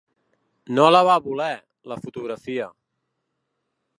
No la va voler, la fotografia.